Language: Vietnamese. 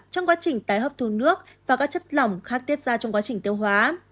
trong quá trình tái hấp thu nước và các chất lỏng khác tiết ra trong quá trình tiêu hóa